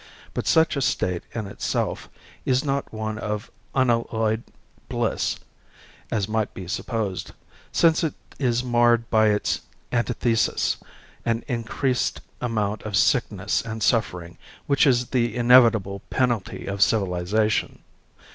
But, such a state in itself is not one of unalloyed bliss, as might be supposed, since it is marred by its antithesis, an increased amount of sickness and suffering, which is the inevitable penalty of civilization.